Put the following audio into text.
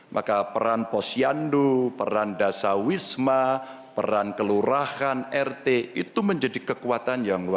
maka peran posyandu peran dasawisma peran kelurahan rt itu menjadi kekuatan